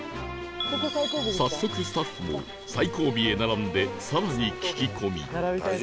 早速スタッフも最後尾へ並んで更に聞き込み